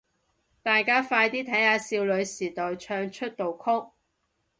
大家快啲睇下少女時代唱出道曲